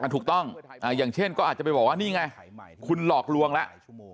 ถูกต้องอย่างเช่นก็อาจจะไปบอกว่านี่ไงคุณหลอกลวงแล้ว